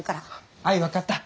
あい分かった。